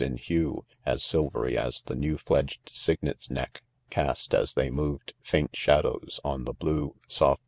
in huq, As silvery as the new fledged cygnet's neck. Cast, as they moved 5 faint shadows on the blue Soft